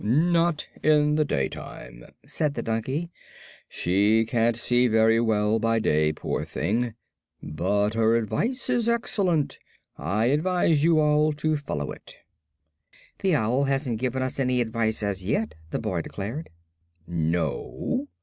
"Not in the daytime," said the donkey. "She can't see very well by day, poor thing. But her advice is excellent. I advise you all to follow it." "The owl hasn't given us any advice, as yet," the boy declared. "No?